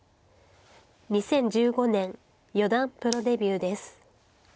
２０１５年四段プロデビューです。